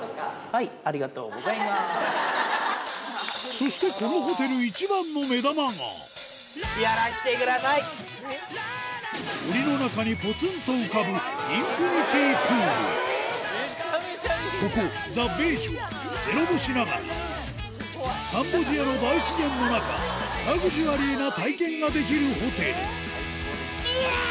そしてこのホテル森の中にぽつんと浮かぶここザ・ベージュはゼロ星ながらカンボジアの大自然の中ラグジュアリーな体験ができるホテルいやぁ！